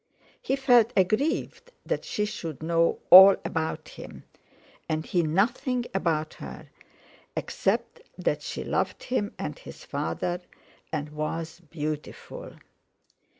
He felt aggrieved that she should know all about him and he nothing about her except that she loved him and his father, and was beautiful.